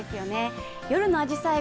夜のあじさい